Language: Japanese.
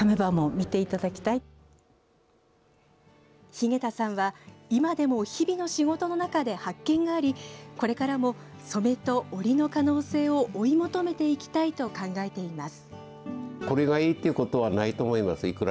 日下田さんは、今でも日々の仕事の中で発見がありこれからも染めと織りの可能性を追い求めていきたいと考えています。